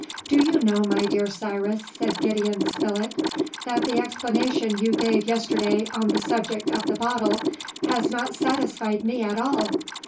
"Do you know, my dear Cyrus," said Gideon Spilett, "that the explanation you gave yesterday on the subject of the bottle has not satisfied me at all!